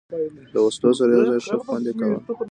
له وسلو سره یو ځای، ښه خوند یې کاوه.